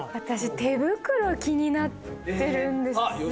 私手袋気になってるんですよね。